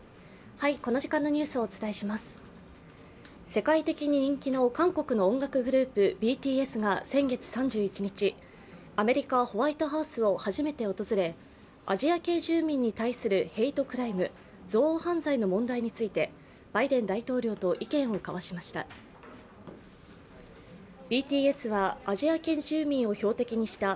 世界的に人気の韓国の音楽グループ、ＢＴＳが先月３１日、アメリカ・ホワイトハウスを初めて訪れアジア系住民に対するヘイトクライム＝憎悪犯罪の問題についてバイデン大統領と意見をかわしました。